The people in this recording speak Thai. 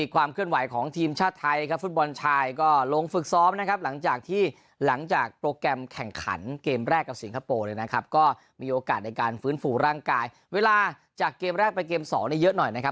ความเคลื่อนไหวของทีมชาติไทยครับฟุตบอลชายก็ลงฝึกซ้อมนะครับหลังจากที่หลังจากโปรแกรมแข่งขันเกมแรกกับสิงคโปร์เลยนะครับก็มีโอกาสในการฟื้นฟูร่างกายเวลาจากเกมแรกไปเกม๒เยอะหน่อยนะครับ